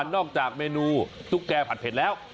นอกจากเมนูตุ๊กแก่ผัดเผ็ดแล้ว